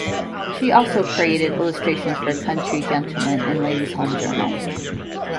She also created illustrations for "Country Gentleman" and "Ladies' Home Journal".